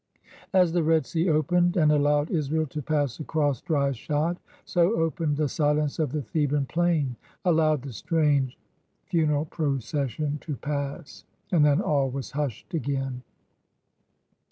"As the Red Sea opened and allowed Israel to pass across dry shod, so opened the silence of the Theban plain, allowed the strange funeral procession to pass, — and then all was hushed again.